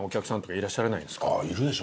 いるでしょ。